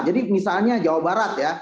jadi misalnya jawa barat ya